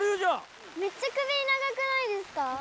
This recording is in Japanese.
めっちゃ首長くないですか？